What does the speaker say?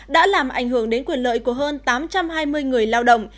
đã làm ảnh hưởng đến quyền lợi của hơn tám trăm hai mươi người lao động